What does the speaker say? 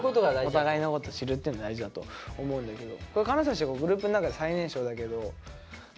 お互いのこと知るっていうの大事だと思うんだけど。